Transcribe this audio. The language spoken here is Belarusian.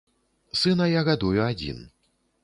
Сына я гадую адзін.